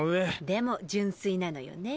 でも純粋なのよね？